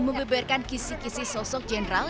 membeberkan kisih kisih sosok jenderal